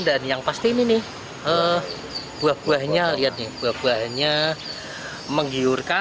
dan yang pasti ini nih buah buahnya lihat nih buah buahnya menggiurkan